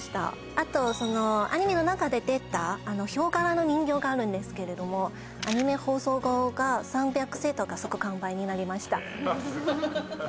あとそのアニメの中で出たヒョウ柄の人形があるんですけれどもアニメ放送後３００セットが即完売になりました